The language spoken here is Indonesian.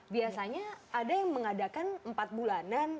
biasanya ada yang mengadakan empat bulanan